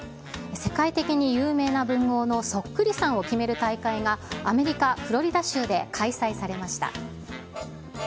世界的に有名な文豪のそっくりさんを決める大会が、アメリカ・フロリダ州で開催されました。